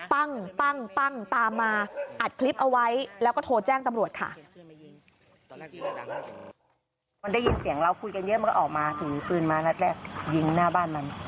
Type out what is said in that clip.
ปั้งปั้งตามมาอัดคลิปเอาไว้แล้วก็โทรแจ้งตำรวจค่ะ